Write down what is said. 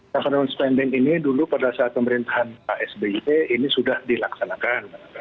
government spending ini dulu pada saat pemerintahan pak sby ini sudah dilaksanakan